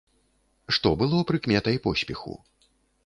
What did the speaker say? Што было прыкметай поспеху?